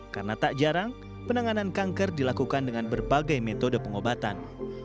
karena tak jarang penanganan kanker dilakukan dengan berbagai metode pengobatan